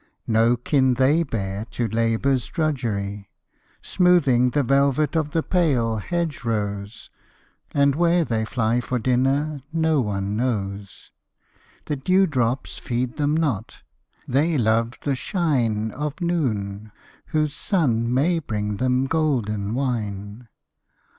No kin they bear to labour's drudgery, Smoothing the velvet of the pale hedge rose; And where they fly for dinner no one knows The dew drops feed them not they love the shine Of noon, whose sun may bring them golden wine.